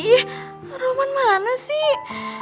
ih roman mana sih